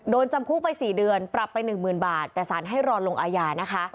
จำคุกไป๔เดือนปรับไป๑๐๐๐บาทแต่สารให้รอลงอาญานะคะ